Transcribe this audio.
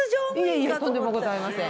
いえいえとんでもございません。